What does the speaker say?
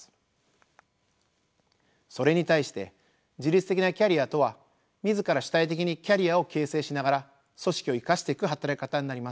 それに対して自律的なキャリアとは自ら主体的にキャリアを形成しながら組織を生かしていく働き方になります。